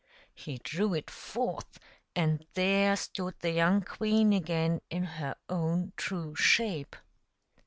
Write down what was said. He drew it forth, and there stood the young queen again in her own true shape.